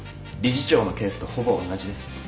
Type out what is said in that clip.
理事長のケースとほぼおんなじです。